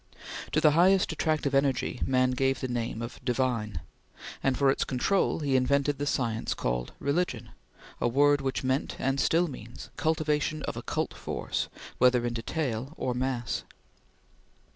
To the highest attractive energy, man gave the name of divine, and for its control he invented the science called Religion, a word which meant, and still means, cultivation of occult force whether in detail or mass.